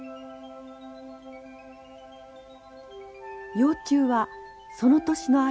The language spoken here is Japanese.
幼虫はその年の秋